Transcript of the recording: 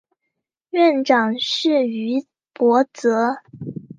院长是于博泽。